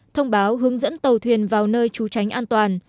thông báo hướng dẫn tàu thuyền vào nơi trú tránh an toàn